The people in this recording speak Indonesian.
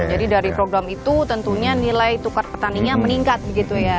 jadi dari program itu tentunya nilai tukar petani nya meningkat begitu ya